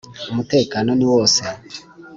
umutekano niwose.